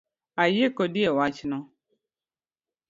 Ayie kodi ewachno